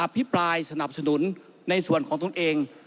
พิปรายสนับสนุนในส่วนของตนเอง